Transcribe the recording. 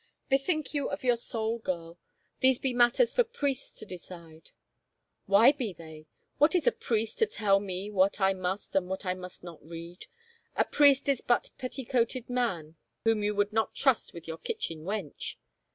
Bethink you of your soul, girl. These be matters for priests to decide." " Why be they ? What is a priest to tell me what I must and what I must not read? A priest is but petti coated man whom you would not trust with your kitchen wench.